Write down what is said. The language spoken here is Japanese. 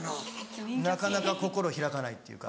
なかなか心開かないっていうか。